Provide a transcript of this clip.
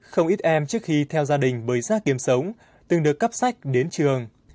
không ít em trước khi theo gia đình bới rác kiếm sống từng được cắp sách đến trường